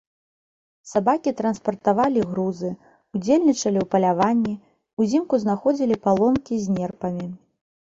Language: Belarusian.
Сабакі транспартавалі грузы, удзельнічалі ў паляванні, узімку знаходзілі палонкі з нерпамі.